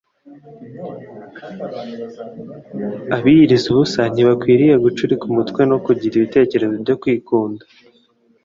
Abiyiriza ubusa ntibakwinye gucurika umutwe no kugira ibitekerezo byo kwikunda.